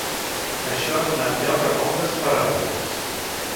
Això ha donat lloc a moltes paròdies.